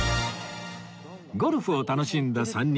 ゴルフを楽しんだ３人は